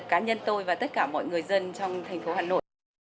cá nhân tôi và tất cả mọi người dân trong thành phố hà nội